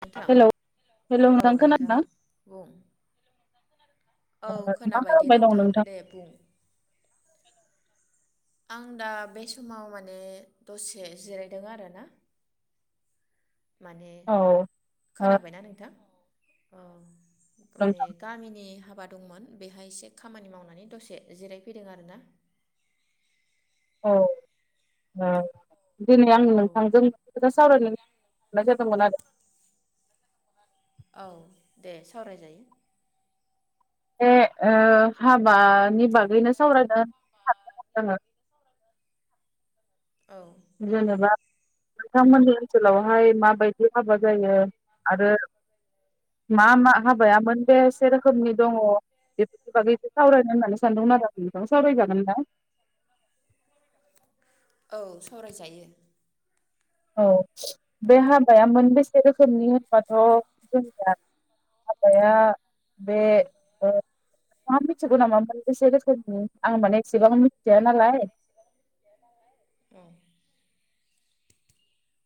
नोंथां hello hello औ नोंथां खोनादोंना? बुं औ मा खोनाबाय दे खालामबाय दं नोंथां दे बुं आं दा बे समाव माने दसे जिरायदों आरो ना माने औ ओ खोनाबायना नोंथां अ माने नोंथां गामिनि हाबा दमोन बेहाय एसे खामानि मावनानै दसे जिरायफैदों आरोना औ ओं दिनै आं औ नोंथांजों खोथा सावरायनो नाय जादोंमोन आरो औ दे सावरायजायो बे ओ हाबानि बागैनो सावरायनो सानदों जोङो औ जेनेबा नोंथांमोननि ओनसोलावहाय माबायदि हाबा जायो आरो मा मा हाबायामोन बेसे रोखोमनि दङ बेफोरनि बागै एसे सावरायनो होननानै सानदोंमोन आरो नोंथां सावरायजागोन ना औ सावरायजायो औ बे हाबाया मोनबेसे रोखोमनि होनबाथ' जोंनिया हाबाया बे औ नोंथाङा मिथिगौ नामा माने बेसे रोखोम आं माने एसेबां मिथिया नालाय औ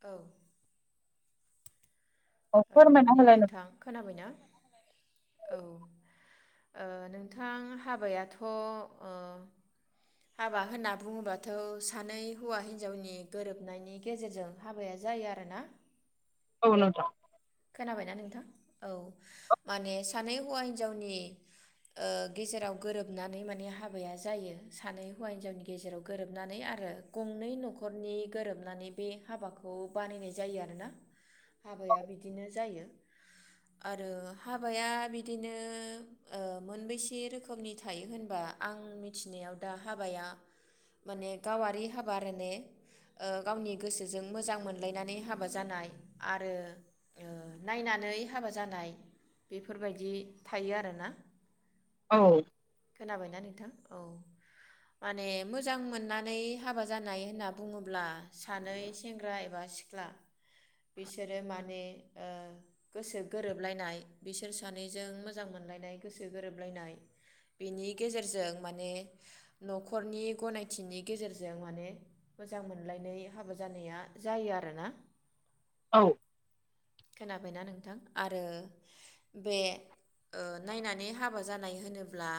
औ औ फोरमायना माने होलाय नों नोंथां खोनाबायना औ ओ नोंथां हाबायाथ'ओ हाबा होनना बुङोबाथ' सानै हौवा हिन्जावनि गोरोबनायनि गेजेरजों हाबाया जायो आरोना औ नोंथां खोनाबायना नोंथां औ माने सानै हौवा हिनजावनि ओ गेजेराव गोरोबनानै माने हाबाया जायो सानै हौवा हिनजावनि गेजेराव गोरोबनानै आरो गंनै न'खरनि गोरोबनानै बे हाबाखौ बानायनाय जायो आरोना हाबाया बि जायो आरो हाबाया बिदिनो मोनबेसे रोखोमनि थायो होनबा आं मिथिनायाव दा हाबाया माने गावारि हाबा आरो ने गावनि गोसोजों मोजां मोनलायनानै हाबा जानाय आरो नायनानै हाबा जानाय बेफोरबायदि थायो आरोना औ खोनाबायना नोंथां औ माने मोजां मोननानै हाबा जानाय होनना बुङोब्ला सानै सेंग्रा एबा सिख्ला बिसोरो माने गोसो गोरोबलायनाय बिसोर सानैजों मोजां मोनलायनाय गोसो गोरोबलायनाय बेनि गेजेरजों माने न'खरनि गनायथिनि गेजेरजों माने मोजां मोनलायनाय हाबा जानाया जायो आरोना औ खोनाबायना नोंथां आरो बे नायनानै हाबा जानाय होनोब्ला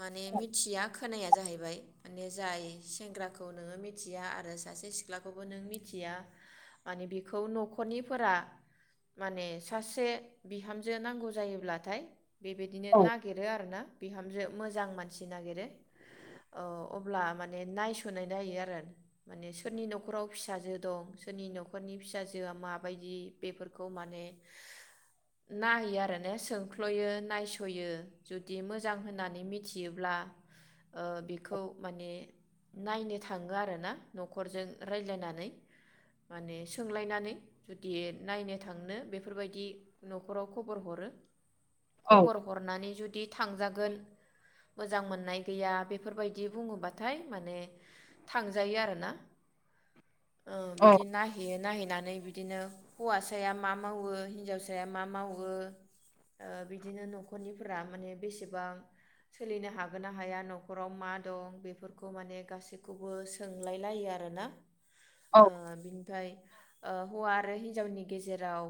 माने मिथिया खोनाया जाहैबाय माने जाय सेंग्राखौ नोङो मिथिया आरो सासे सिख्लाखौबो नों मिथिया माने बेखौ न'खरनिफोरा माने सासे बिहामजो नांगौ जायोब्लाथाय बेबायदिनो औ नागिरो आरोोना बिहामजो मोजां मानसि नागिरो अब्ला माने नायस'नाय नायो आरो माने सोरनि न'खराव फिसाजो दं सोरनि न'खरनि फिसाजोआ माबायदि बेफोरखौ माने नायो आरोना सोंख्ल'यो नायस'यो जुदि मोजां होननानै मिथियोब्ला बेखौ माने नायनो थाङो आर ना न'खरजों रायज्लायनानै माने सोंलायनानै जुदि नायनो थांनो बेफोरबायदि न'खराव खबर हरो औ खबर हरनानै जुदि थांजागोन मोजां मोननाय गैया बेफोरबायदि बुङोबाथाय माने थांजायो आरोना बिदि नायहैयो नायहै नानै बिदिनो हौवासाया मा मावो हिनजावसाया मा मावो बिदिनो न'खरनिफोरा माने बेसेबां सोलिनो हागोन ना हाया न'खराव मा दं बेफोरखौ माने गासैखौबो सोंलाय लायो आर ना औ बिनिफ्राय ओ हौआ आरो हिनजाव हिनजावनि गेजेराव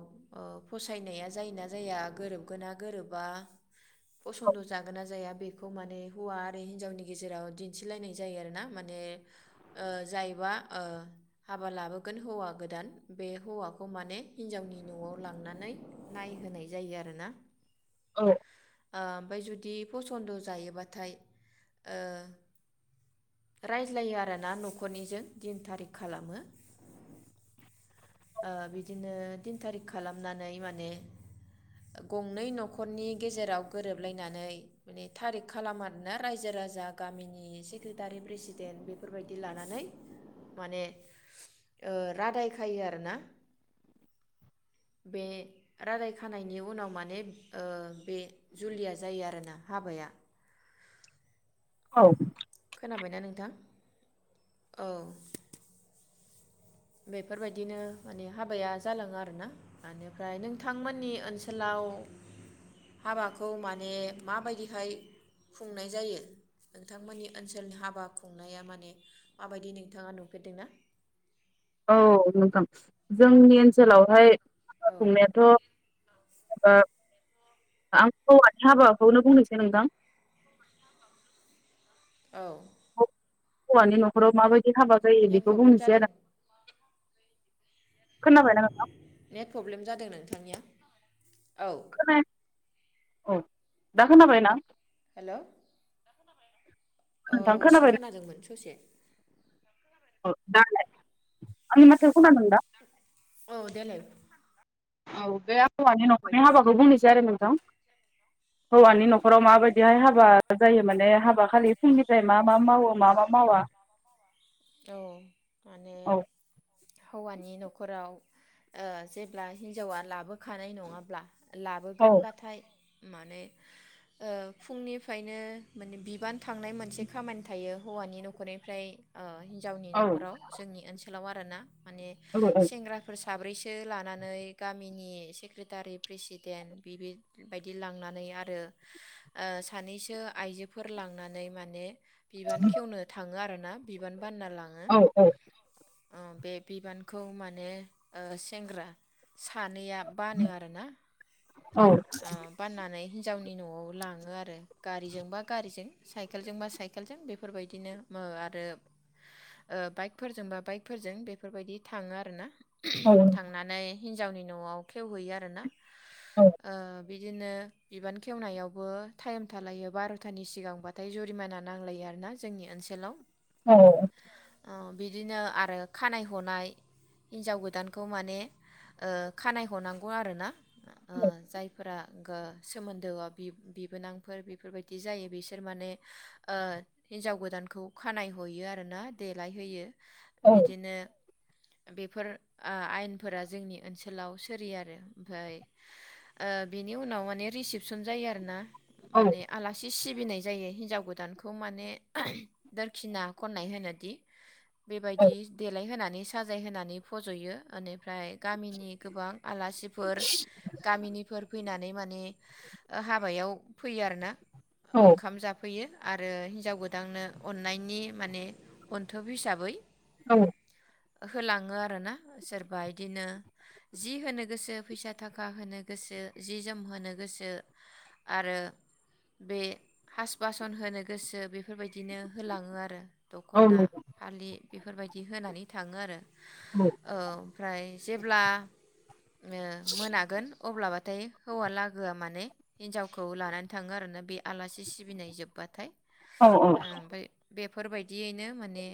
फसायनाया जायोना जाया गोरोबगोना गोरोबा फसन्द' जागोन ना जाया बेखौ माने हौवा आरो हिनजावनि गेजेराव दिन्थिलायनाय जायो आरोोना माने जायबा हाबा लाबोगोन हौवा गोदान बे हौवाखौ बे खौ माने हिन्जावनि न'आव लांनानै नायहोनाय जायो आरोना आ ओमफ्राय जुदि फसन्द' जायोबाथाय रायज्लायो आरो ना न'खरनिजों दिन थारिख खालामो बिदिनो तिन थारिख खालामनानै माने गंनै न'खरनि गेजेराव गोरोबलायनानै माने थारिख खालाम आरोना रायजो राजा गामिनि सेक्रेटारि प्रेसिडेन्ट बेफोरबायदि लानानै माने रादाय खायो आरोना बे रादाय खानायनि उनाव माने बे जुलिया जायो आरोना हाबाया औ खोनाबायना नोंथां औ बेफोरबायदिनो माने हाबाया जालाङो आरोना बेनिफ्राय नोंथांमोननि ओनसोलाव हाबाखौ माने माबायदिहाय खुंनाय जायो नोंथांमोननि ओनसोलनि हाबा खुंनाया माने माबायदि नोंथाङा नुफेरदोंना औ नोंथां जोंनि ओनसोलावहाय औ खुंनायाथ' माबा आ हौवानि हाबाखौनो बुंनोसै नोंदां औ हौवानि न'खराव माबायदि हाबा जायो नेट बेखौ प्रब्लेम बुंनोसै जादों आरो खोनाबायना नोंथां नेट प्रब्लेम जादों नों थानिया औ खोनाया औ दा खोनाबाय ना हेल' औ नोंथां सि खोनाबाय खोनादोंमोन ससे द आनि माथ खम नों दा? औ देालाय औग हौवानि न'खरनि हाबाखौ बुंनोसै आरो। दौ औ हौवानि न'खराव माबायदिहाय हाबा जायो माने हाबा खालि फुंनिफ्राय मा मा मावो मा मा मावा औ माने औ हौवानि न'खराव ओ जेब्ला हिन्जावा लाबोखानाय नङाब्ला औ लाबोगोनबाथाय माने ओ फुंनिफ्रायनो माने बिबान थांनाय मोनसे खामानि थायो हौवानि न'खरनिफ्राय अ गावनि औ न'राव जोंनि ओनसोलाव सोलाव आरो ना माने औ औ सेंग्राफोर स साब्रैसो लानानै गामिनि सेक्रेटारि प्रेसिडेन्ट बिबायदि लांनानै आरो सानैसो आइजोफोर लांनानै माने बिबान खेवनो थाङो आरो ना? बिबान बानना लाङो औ बे बिबानखौ माने ओ सेंग्रा सानैया बानो आरोना औ बाननानै हिन्जावनि न'आव लाङो आरो गारिजोंबा गारिजों साइकेलजोंबा साइकेलजों बेफोरबायदिनो आरो। ओ बाइकफोरजों बा बाइकफोरजों बेफोरबायदि थाङो आरोना। थांनानै हिन्जावनि न'आव खेवहैयो आर ना। औ आ बिदिनो बिबान खेवनायावबो टाइम थालायो बार'थानि सिगांबाथाय जुरिमाना नांलायो आरोना जोंनि ओनसोलाव। औ बिदिनो आरो खानाय हनाय हिन्जाव गोदानखौ माने ओ खानाय हनांगौ आरो ना। जायफोरा सोमोन्दो बि-बिबोनांफोर बेफोरबायदि जायो बिसोर माने ओ हिन्जाव गोदानखौ खानाय गयो आर ना देलायहोयो। बिदिनो बेफोर आयेनफोरा जोंनि ओनसोलाव सोरि आरो ओमफाय ओ बेनि उनाव माने रिसिपसन जायो आरो ना। औ माने आलासि सिनाय जायो हिनजाव गोदानखौ माने खिना खननाय होनोदि बेबायदि देलायहोनानै नै साजाय होनानै फज'यो ओनिफ्राय गामिनि गोबां आलासिफोर गामिनिफोर फैनानै नै माने हाबायाव फैयो आरोना औ ओंखाम जाफैयो आरो हिन्जाव गोदाननो अन नायनि माने अनथोब हिसाबै औ होलाङो आरोना सोरबा इदिनो जि होनो गोसो फैसा थाखा होनो गोसो जि जोम होनो गोसो आरो बे हास बासन होनो गोसो बेफोरबायदिनो होलाङो आरो औ दख'ना नंगौ फालि बेफोरबायदि होनानै थाङो आरो औ ओमफ्राय जेब्ला मोनागोन अब्लाबा नाथाय हौवा लागोआ माने हिनजावखौ लानानै थाङो आरोना बे आलासि सिबिनाय जोबबाथाय औ औ बेफोरबायदियैनो माने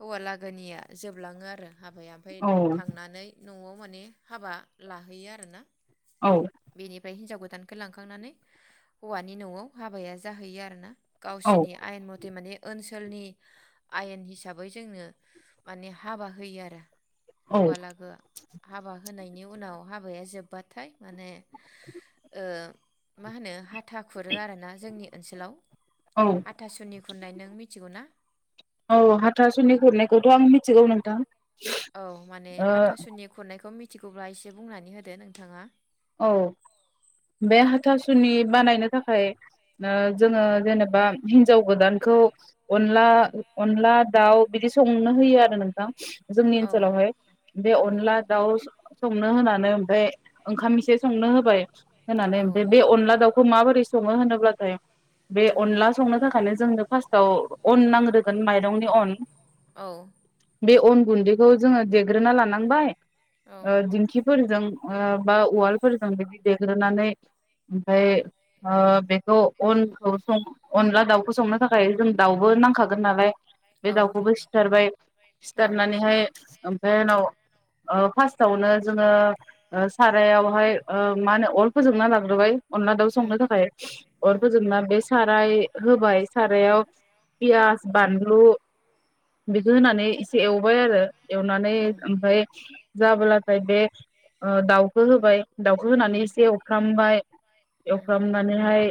हौवा लागोनिया जोबलाङो आरो हाबाया ओमफाय औ थांनानै न'आव माने हाबा लाहैयो आरोना बेनिफ्राय हिनजाव गोदान दानखौ लांखांनानै हौवानि न'आव हाबाया जाहैयो आरो ना औ गावसिनि आयेन मथे माने ओनसोलनि आयेन हिसाबै जोंनो माने हाबा होयो आरो औ हौवालागो आ हाबा होनायनि उनाव हाबाया जोब्बाथाय माने ओ मा होनो हा आथा खुरो आरो ना जोंनि ओन्सोलाव औ हाथासुनि खुनायनो नों मिथिगौ ना औ हाथासुनि गुरनायखौथ' आं मिथिगौ नों औ माने हाथासुनि खुरनायखौ मि खथिखौब्ला एसे बुंनानै होदो नोंथाङा औ बे हाथासुनि बानायनो थाखाय थाखाय जोङो जेनेबा हिन्जाव गोदानखौ अनला अनला दाउ बिदि संनो होयो आरो नोंथां जोंनि औ ओनसोलावहाय बे औ अनला दाउ संनो होनानै ओमफ्राय ओंखाम एसे संनो होबाय होनानै औ फ्राय बे अनला दाउखौ खौ माबोरै सङो होनोब्लाथाय बे अनला संनो थाखायनो जोंनो फार्स्टआव अन नांग्रोगोन माइरंनि अन औ बे अन गुन्दैखौ जोङो देग्रोना लानांबाय औ दिंखिफोरजों बा व फोरजों बिदि देग्रोनानै ओमफ्राय बेखौ अनखौ स अनला दाउखौ संनो थाखाय जों दाउबो नांखागोन नालाय बे दाउखौबो सिथारबाय औ सिथारनानैहाय बे उनाव फार्स्टआवनो जोङो सारायावहाय मा होनो अरखौ जोंना लाग्रोबाय अनला दाउ संनो थाखाय उम औ अर फोजोबना बे साराय होबाय सारायाव पियास बानलु बेखौ होनानै एसे एवबाय आरो एनानै उम ओमफ्राय जाबो्लाथाय बे दाउखौ होबाय दाउखौ होनानै उम एसे एवफ्रामबाय उम एवफ्रामनानैहाय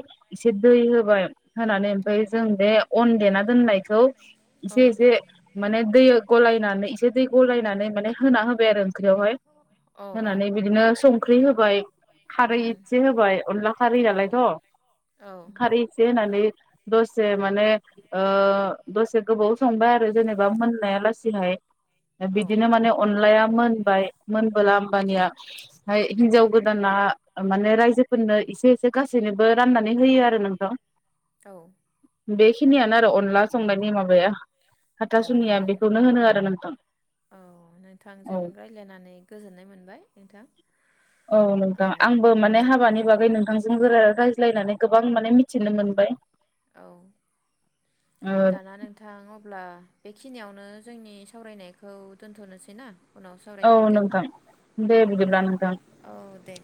सिद इबाय होनानै ओमफफ्राय उम जों बे अन देना लाायखौ औ ज ज माने दै गलायनानै इसे दै गलायनानै माने होना होबाय आरो ओख्रियावहाय औ उम होनानै बिदिनो स फख्रि होबाय खारै एसे होबाय अनला खारै औ नालायथ' औ खारै एसे होनानै दसे माने दसे गोबाव संबाय आरो जेनेबा मोननाया लासिहाय बिदिनो माने अनलाया मोनबाय मोनबोला आमबानिया ओमफ्राय हिनजाव गोदाना माने रायजोफोरनो एसे एसे गासैनोबो राननानै होयो आरो नोंथां औ। बेखिनियानो आरो अनला संनायनि माबाया औ हाथासुनिया नों बेखौनो होनो आरो नोंथां औ नोंथांजों औ रायज्लायनानै गोजोननाय मोनबाय नोंथां। औ नोंथां औ आंबो माने हाबानि बागै नोंथांजों राय मिलायनानै गोबां माने मिथिनो मोनबाय। औ ओ दाना नोंथां अब्ला बेखिनियावनो जोंनि सावरायनायखौ दोन्थ'नोसै ना? उनाव औ सावरायफिनगोन नोंथां दे औ बिदिब्ला नोंथां। औ दे